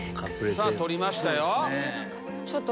さぁ取りましたよ。